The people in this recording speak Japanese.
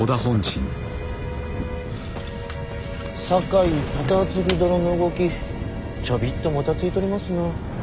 酒井忠次殿の動きちょびっともたついとりますな。